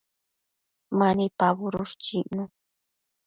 Mani pabudush chicnuna